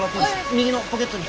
右のポケットに。